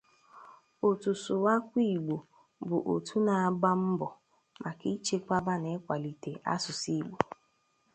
Otu Sụwakwa Igbo bụ otu na-agba mbọ maka ichekwaba na ịkwalite asụsụ Igbo